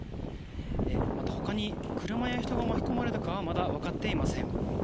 また、他に車や人が巻き込まれたかはまだ分かっていません。